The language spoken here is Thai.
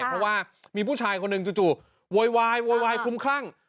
เพราะว่ามีผู้ชายคนหนึ่งจู่โวยวายโวยวายคุ้มคลั่ง